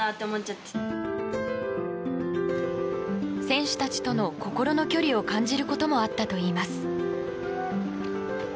選手たちとの心の距離を感じることもあったといいます。